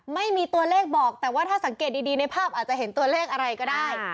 ไม่มีตัวเลขบอกแต่ว่าถ้าสังเกตดีในภาพอาจจะเห็นตัวเลขอะไรก็ได้